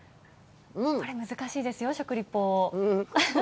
これ難しいですよ、食リポ。